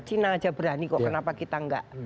cina aja berani kok kenapa kita enggak